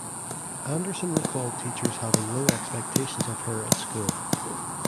Anderson recalled teachers having low expectations of her at school.